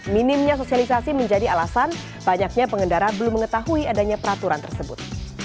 minimnya sosialisasi menjadi alasan banyaknya pengendara belum mengetahui adanya peraturan tersebut